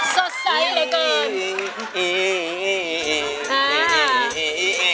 สดใสเหลือเกิน